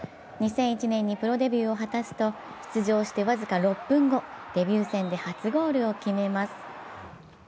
２００１年にプロデビューを果たすと出場して僅か６分後、デビュー戦で初ゴールを決めます。